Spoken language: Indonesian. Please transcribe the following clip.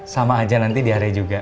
sama aja nanti di area juga